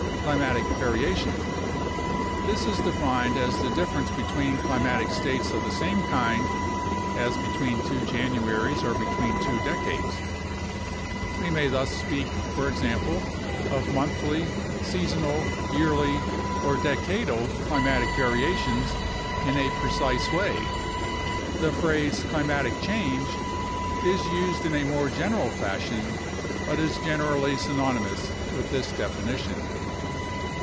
Climatic variation. This is defined as the difference between climatic states of the same kind, as between two Januaries or between two decades. We may thus speak, for example, of monthly, seasonal, yearly, or decadal climatic variations in a precise way. The phrase "climatic change" is used in a more general fashion but is generally synonymous with this definition.